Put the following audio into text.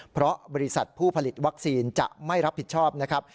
เพราะบริษัทผู้ผลิตวัคซีนจะไม่รับผิดชอบนะครับ